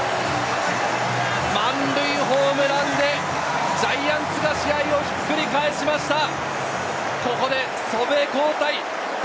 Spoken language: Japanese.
満塁ホームランでジャイアンツが試合をひっくり返しました。